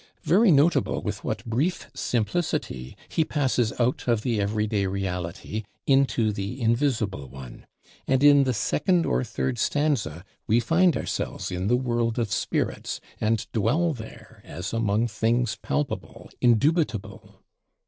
Very notable with what brief simplicity he passes out of the every day reality, into the Invisible one; and in the second or third stanza, we find ourselves in the World of Spirits; and dwell there, as among things palpable, indubitable!